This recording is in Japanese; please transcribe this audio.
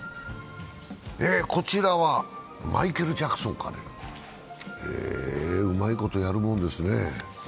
こちらはマイケル・ジャクソンかなへえ、うまいことやるもんですね